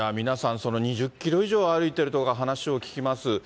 皆さん、２０キロ以上歩いてるとか話を聞きます。